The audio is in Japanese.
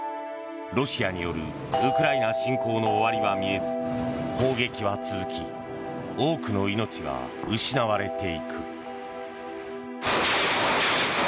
ロシアによるウクライナ侵攻の終わりは見えず砲撃は続き多くの命が失われていく。